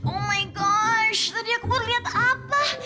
oh my gosh tadi aku mau liat apa